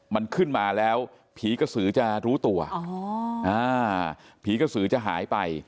มันขึ้นมาแล้วผีกระสือจะรู้ตัวอ๋ออ่าผีกระสือจะหายไป